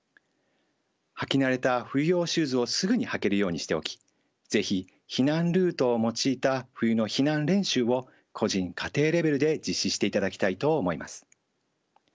履き慣れた冬用シューズをすぐに履けるようにしておき是非避難ルートを用いた冬の避難練習を個人・家庭レベルで実施していただきたいと思います。